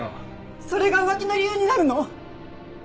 それが浮気の理由になるの？